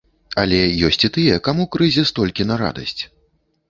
Але ёсць і тыя, каму крызіс толькі на радасць.